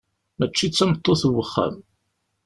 Mačči d tameṭṭut n wexxam.